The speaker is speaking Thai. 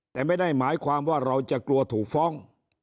แต่ไม่ได้หมายความว่าเราจะกลัวถูกฟ้อง